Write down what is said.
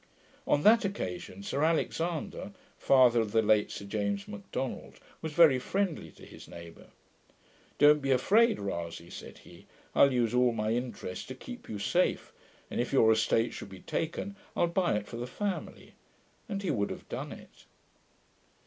On that occasion, Sir Alexander, father of the late Sir James Macdonald, was very friendly to his neighbour. 'Don't be afraid, Rasay,' said he; 'I'll use all my interest to keep you safe; and if your estate should be taken, I'll buy it for the family.' And he would have done it.